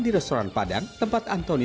di restoran padang tempat antoni